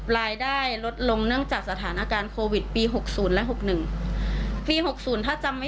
รายได้ลดลงเนื่องจากสถานการณ์โควิดปี๖๐และ๖๑นะครับ